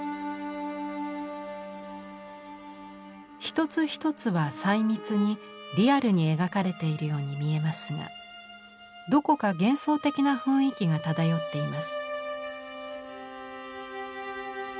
一つ一つは細密にリアルに描かれているように見えますがどこか幻想的な雰囲気が漂っています。